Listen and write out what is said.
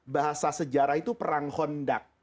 bahasa sejarah itu perang hondak